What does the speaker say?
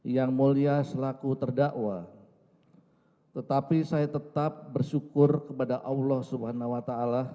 yang mulia selaku terdakwa tetapi saya tetap bersyukur kepada allah swt